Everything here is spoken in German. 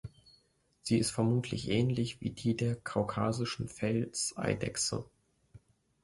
Sie ist vermutlich ähnlich wie die der Kaukasischen Felseidechse.